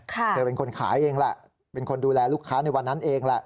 เธอเป็นคนขายเองแหละเป็นคนดูแลลูกค้าในวันนั้นเองแหละ